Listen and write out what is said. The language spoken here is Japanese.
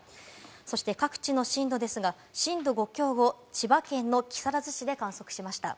そして各地の震度ですが、震度５強を千葉県の木更津市で観測しました。